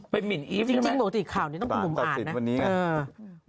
ไปหมินอีฟใช่ไหมประสิทธิ์วันนี้จริงบอกสิข่าวนี้ต้องเป็นผมอ่านนะ